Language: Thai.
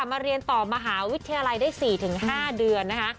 มาเรียนต่อมหาวิทยาลัยได้๔๕เดือนนะคะ